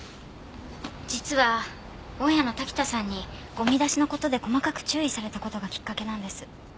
実は大家の滝田さんにゴミ出しの事で細かく注意された事がきっかけなんです。